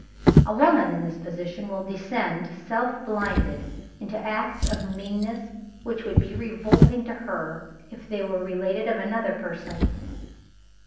A woman in this position will descend, self blinded, to acts of meanness which would be revolting to her if they were related of another person.